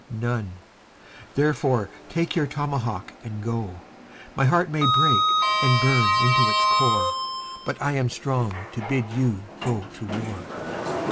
None therefore take your tomahawk and go. My heart may break and burn into its core, But I am strong to bid you go to war.